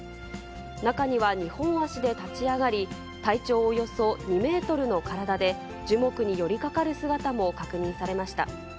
中には２本足で立ち上がり、体長およそ２メートルの体で、樹木に寄りかかる姿も確認されました。